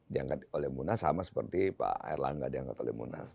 diangkat oleh munas sama seperti pak erlangga diangkat oleh munas